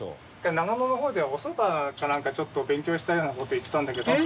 長野の方でおそばかなんかちょっと勉強したような事を言ってたんだけど。